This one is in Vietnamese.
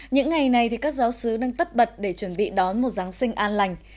những ngày này thì các giáo sứ đang tất bật để chuẩn bị đón một giáng sinh an lành